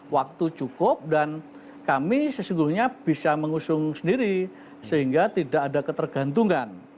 waktu cukup dan kami sesungguhnya bisa mengusung sendiri sehingga tidak ada ketergantungan